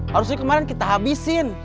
harusnya kemarin kita habisin